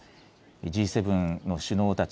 Ｇ７の首脳たち